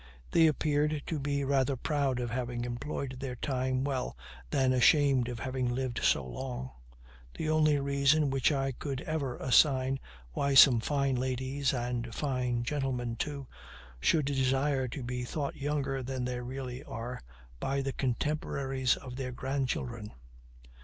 They appeared to be rather proud of having employed their time well than ashamed of having lived so long; the only reason which I could ever assign why some fine ladies, and fine gentlemen too, should desire to be thought younger than they really are by the contemporaries of their grandchildren.